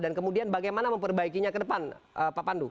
dan kemudian bagaimana memperbaikinya ke depan pak pandu